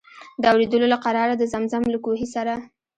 د اورېدلو له قراره د زمزم له کوهي سره.